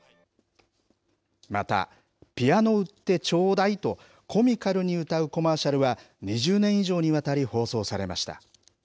また、ピアノ売ってちょーだいとコミカルに歌うコマーシャルは２０年以上にわたり放送されました。